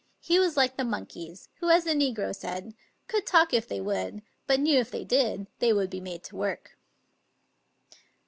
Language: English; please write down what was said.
He was like the monkeys, who, as the negro said, " could talk if they would, but knew if they did they would be made to work."